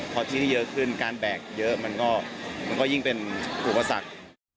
พอที่นี่เยอะขึ้นการแบกเยอะมันก็ยิ่งเป็นอุปสรรค